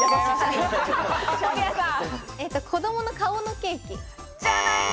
子どもの顔のケーキ。